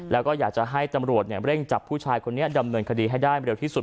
แล้วก็อยากจะให้ตำรวจเร่งจับผู้ชายคนนี้ดำเนินคดีให้ได้เร็วที่สุด